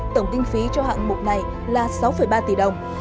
tổng kinh phí cho hạng mục này là sáu ba tỷ đồng